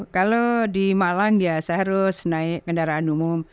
kalau di malang ya saya harus naik kendaraan umum